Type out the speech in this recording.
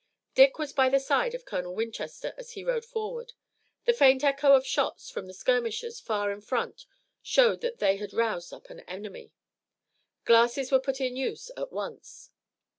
Dick was by the side of Colonel Winchester as he rode forward. The faint echo of shots from the skirmishers far in front showed that they had roused up an enemy. Glasses were put in use at once.